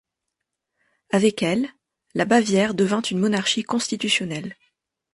Avec elle, la Bavière devint une monarchie constitutionnelle.